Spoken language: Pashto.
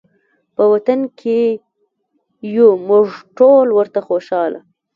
په وطن کې یو موږ ټول ورته خوشحاله